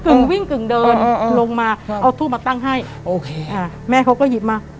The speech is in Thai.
กึ่งวิ่งกึ่งเดินลงมาเอาทูปมาตั้งให้แม่เขาก็หยิบมา